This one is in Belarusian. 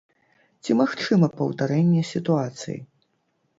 Ці магчыма паўтарэнне сітуацыі?